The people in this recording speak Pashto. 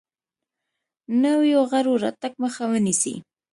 نویو غړو راتګ مخه ونیسي.